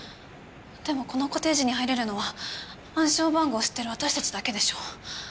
でもこのコテージに入れるのは暗証番号を知ってる私たちだけでしょ？